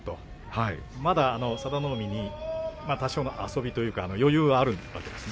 まだ佐田の海に多少の遊びというか余裕があるわけですね。